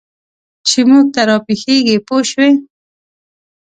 چې موږ ته را پېښېږي پوه شوې!.